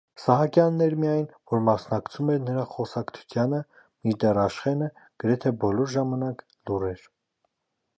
Սահակյանն էր միայն, որ մասնակցում էր նրա խոսակցությանը, մինչդեռ Աշխենը գրեթե բոլոր ժամանակ լուռ էր: